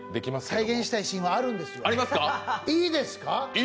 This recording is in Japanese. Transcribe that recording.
再現したいシーンはあるんですよ、いいですか？